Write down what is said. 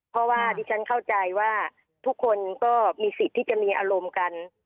เพราะว่าดิฉันเข้าใจว่าทุกคนก็มีสิทธิ์ที่จะมีอารมณ์กัน